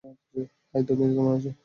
High, তুমি কেমন আছো?